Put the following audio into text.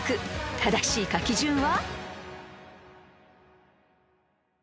正しい書き順は？］